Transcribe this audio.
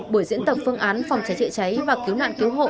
buổi diễn tập phương án phòng cháy chữa cháy và cứu nạn cứu hộ